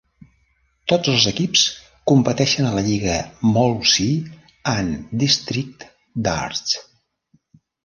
Tots els equips competeixen a la Lliga Molesey and District Darts.